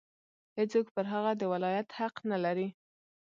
هېڅوک پر هغه د ولایت حق نه لري.